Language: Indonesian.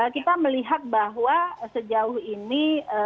kita melihat bahwa sejauh ini